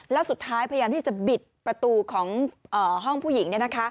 แล้วสุดท้ายพยายามที่จะบิดประตูของห้องผู้หญิง